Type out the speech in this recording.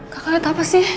kakak liat apa sih